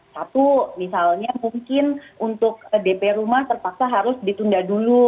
satu misalnya mungkin untuk dp rumah terpaksa harus ditunda dulu